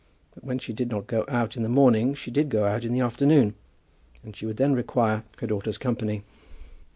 But when she did not go out in the morning, she did go out in the afternoon, and she would then require her daughter's company.